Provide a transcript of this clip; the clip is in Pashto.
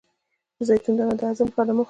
د زیتون دانه د هضم لپاره مه خورئ